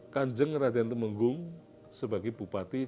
kanjeng raden temenggung sebagai bupati